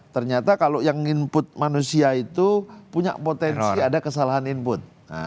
ternyata kalau yang input manusia itu punya potensi ada kesalahan input